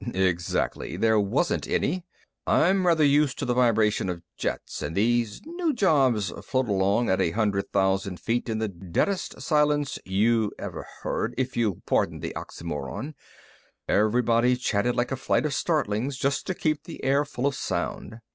"Exactly. There wasn't any. I'm rather used to the vibration of jets, and these new jobs float along at a hundred thousand feet in the deadest silence you ever heard if you'll pardon the oxymoron. Everybody chattered like a flight of starlings, just to keep the air full of sound."